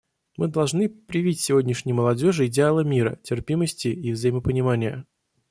Мы должны привить сегодняшней молодежи идеалы мира, терпимости и взаимопонимания.